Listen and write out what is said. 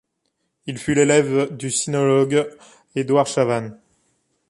Il fut l'élève du sinologue Édouard Chavannes.